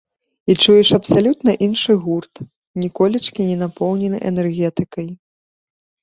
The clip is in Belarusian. І чуеш абсалютна іншы гурт, ніколечкі не напоўнены энергетыкай.